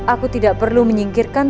aku tidak perlu menyingkirkan